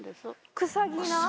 クサギナ？